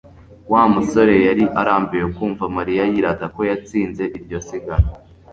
Wa musore yari arambiwe kumva Mariya yirata ko yatsinze iryo siganwa